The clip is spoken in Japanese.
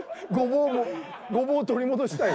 ゴボウを取り戻したい。